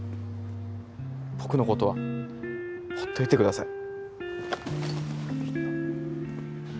僕のことはほっといてください。